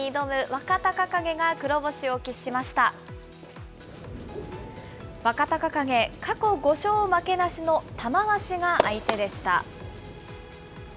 若隆景、過去５勝負けなしの玉鷲が相手でした。